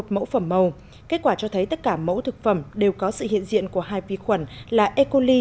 thực phẩm màu kết quả cho thấy tất cả mẫu thực phẩm đều có sự hiện diện của hai vi khuẩn là e coli